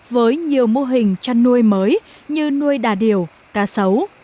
với nhiều mô hình chăn nuôi mới như nuôi đà điểu cá sấu